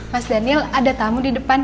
mas daniel ada tamu di depan